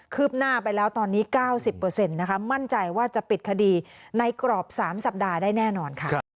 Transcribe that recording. ืบหน้าไปแล้วตอนนี้๙๐นะคะมั่นใจว่าจะปิดคดีในกรอบ๓สัปดาห์ได้แน่นอนค่ะ